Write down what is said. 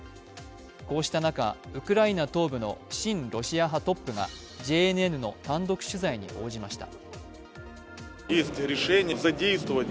こうした中、ウクライナ東部の親ロシア派トップがＪＮＮの単独取材に応じました。